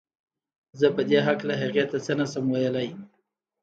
زه په دې هکله هغې ته څه نه شم ويلی